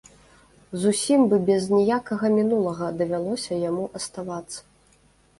Зусім бы без ніякага мінулага давялося яму аставацца.